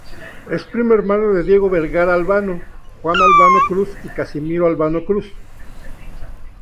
Es primo hermano de Diego Vergara Albano, Juan Albano Cruz y Casimiro Albano Cruz.